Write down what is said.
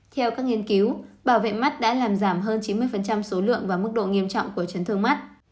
theo các nghiên cứu bảo vệ mắt đã làm giảm hơn chín mươi số lượng và mức độ nghiêm trọng của chấn thương mắt